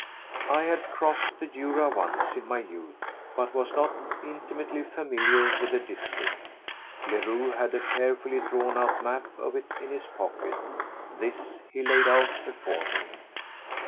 I had crossed the Jura once, in my youth, but was not very intimately familiar with the district. Leroux had a carefully drawn out map of it in his pocket; this he laid out before me.